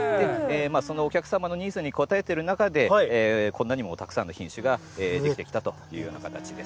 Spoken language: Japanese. そのお客様のニーズに応えている中で、こんなにもたくさんの品種ができてきたというような形です。